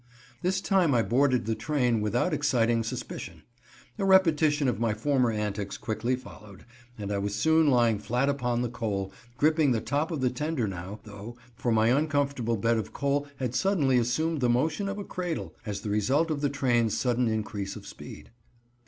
This time I boarded the train without exciting suspicion. A repetition of my former antics quickly followed, and I was soon lying flat upon the coal, gripping the top of the tender now, though, for my uncomfortable bed of coal had suddenly assumed the motion of a cradle, as the result of the train's sudden increase of speed.